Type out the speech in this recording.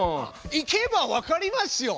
行けばわかりますよ！